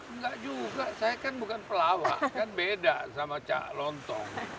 enggak juga saya kan bukan pelawak kan beda sama cak lontong